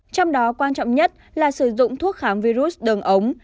trong đó quan trọng nhất là sử dụng thuốc khám virus đơn ống